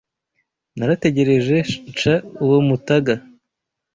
Narategereje nsha uwo mutaga